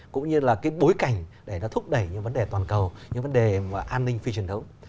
cũng như là cái bối cảnh để nó thúc đẩy những vấn đề toàn cầu những vấn đề an ninh phi truyền thống